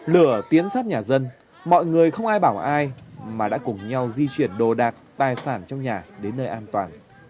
lửa tiến sát nhà dân mọi người không ai bảo ai mà đã cùng nhau di chuyển đồ đạc tài sản trong nhà đến nơi an toàn